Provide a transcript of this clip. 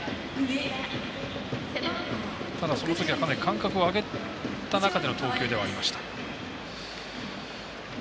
ただ、そのときはかなり間隔をあけた中での投球ではありました。